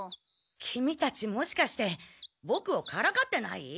キミたちもしかしてボクをからかってない？